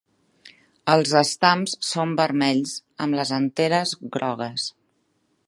Els estams són vermells, amb les anteres grogues.